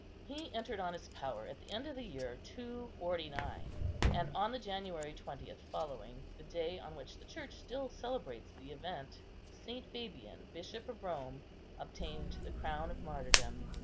He entered on his power at the end of the year 249; and on the January 20th following, the day on which the Church still celebrates the event, St. Fabian, Bishop of Rome, obtained the crown of martyrdom.